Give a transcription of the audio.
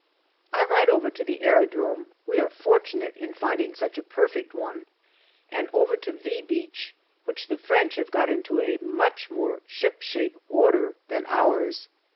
I ride over to the aerodrome we are fortunate in finding such a perfect one and over to " V " Beach, which the French have got into a much more shipshape order than ours.